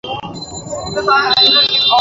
কী দেখলে তুমি?